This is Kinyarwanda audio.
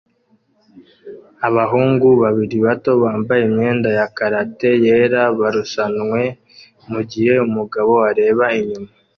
Abahungu babiri bato bambaye imyenda ya karate yera barushanwe mugihe umugabo areba inyuma